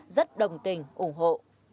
rất đồng tình ủng hộ